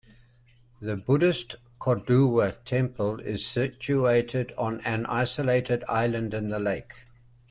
The Buddhist Kothduwa temple is situated on an isolated island in the lake.